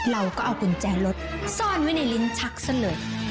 เราก็เอากุญแจรถซ่อนไว้ในลิ้นชักซะเลย